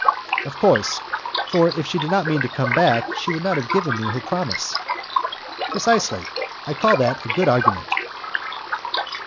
"Of course; for if she did not mean to come back, she would not have given me her promise." "Precisely; I call that a good argument."